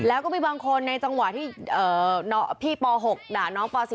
แล้วก็มีบางคนในจังหวะที่พี่ป๖ด่าน้องป๔